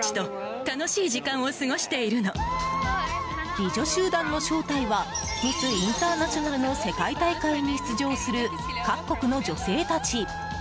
美女集団の正体はミス・インターナショナルの世界大会に出場する各国の女性たち。